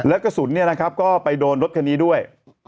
แล้วก็สุดเนี่ยนะครับก็ไปโดนรถคันนี้ด้วย